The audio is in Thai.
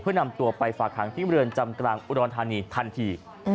นำตัวไปฝากหางที่เมืองจำกลางอุดรธานีทันที